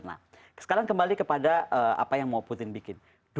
nah sekarang kembali kepada apa yang mau putin bikin